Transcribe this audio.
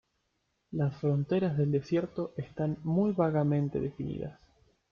Las fronteras del desierto están muy vagamente definidas.